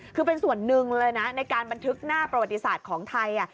คือเป็นส่วนหนึ่งเลยนะในการบันทึกหน้าประวัติศาสตร์ของไทย